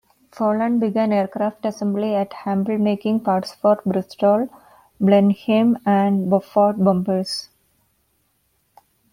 Folland began aircraft assembly at Hamble making parts for Bristol Blenheim and Beaufort bombers.